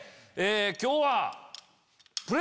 今日は。